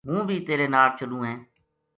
ہوں بی تیرے ناڑ چلوںہے